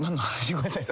ごめんなさい。